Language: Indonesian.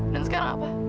dan sekarang apa